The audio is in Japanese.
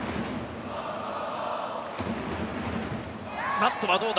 バットはどうだ。